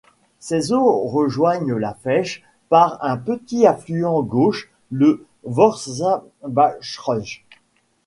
Ses eaux rejoignent la Fecht par un petit affluent gauche, le Wormsabachrunz.